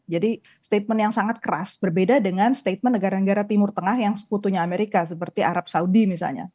jadi statement yang sangat keras berbeda dengan statement negara negara timur tengah yang sekutunya amerika seperti arab saudi misalnya